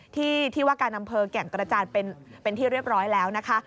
ที่ที่ว่าการอำเภอแก่งกระจานเป็นที่เรียบร้อยแล้วนะคะ